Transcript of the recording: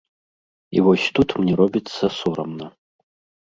І вось тут мне робіцца сорамна.